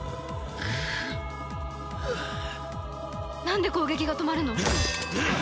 なんで攻撃が止まるの？